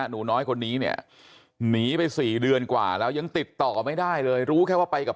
หนูน้อยคนนี้เนี่ยหนีไปสี่เดือนกว่าแล้วยังติดต่อไม่ได้เลยรู้แค่ว่าไปกับ